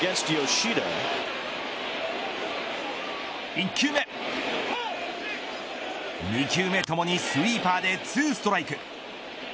１球目、２球目ともにスイーパーでツーストライク。